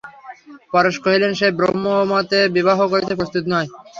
পরেশ কহিলেন, সে ব্রাহ্মমতে বিবাহ করতে প্রস্তুত নয়।